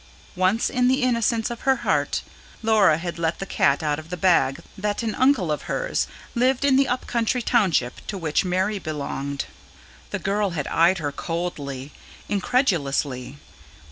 Once, in the innocence of her heart, Laura had let the cat out of the bag that an uncle of hers lived in the up country township to which Mary belonged. The girl had eyed her coldly, incredulously.